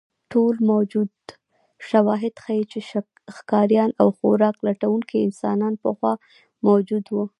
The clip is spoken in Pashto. ټول موجود شواهد ښیي، چې ښکاریان او خوراک لټونکي انسانان پخوا موجود وو.